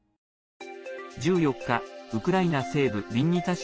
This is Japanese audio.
１４日、ウクライナ西部ビンニツァ